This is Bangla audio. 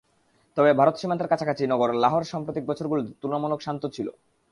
তবে ভারত সীমান্তের কাছাকাছি নগর লাহোর সাম্প্রতিক বছরগুলোতে তুলনামূলক শান্ত ছিল।